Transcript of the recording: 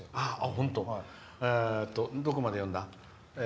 どこまで読んだ。